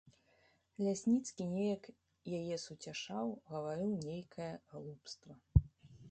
Лясніцкі неяк яе суцяшаў, гаварыў нейкае глупства.